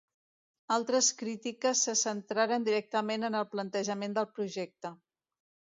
Altres crítiques se centraren directament en el plantejament del projecte.